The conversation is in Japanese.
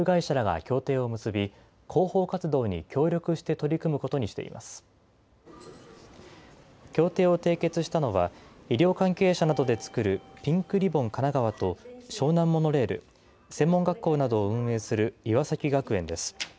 協定を締結したのは、医療関係者などで作るピンクリボンかながわと湘南モノレール、専門学校などを運営する岩崎学園です。